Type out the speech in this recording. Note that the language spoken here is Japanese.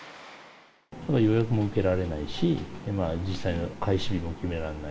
予約も受けられないし、実際の開始日も決められない。